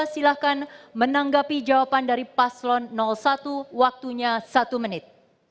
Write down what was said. silahkan menanggapi jawaban dari paslon satu waktunya satu menit